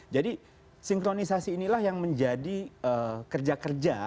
jadi sinkronisasi inilah yang menjadi kerja kerja